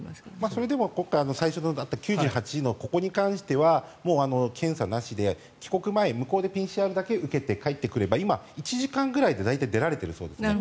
それでも今回最初あった９８のここに関しては検査なしで帰国前、向こうでＰＣＲだけ受けて帰ってくれば今は１時間ぐらいで大体、出られているそうです。